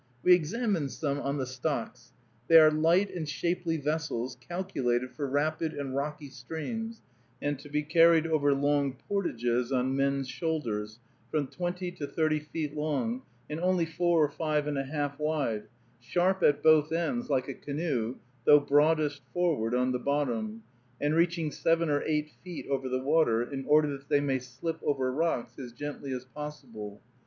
We examined some on the stocks. They are light and shapely vessels, calculated for rapid and rocky streams, and to be carried over long portages on men's shoulders, from twenty to thirty feet long, and only four or four and a half wide, sharp at both ends like a canoe, though broadest forward on the bottom, and reaching seven or eight feet over the water, in order that they may slip over rocks as gently as possible.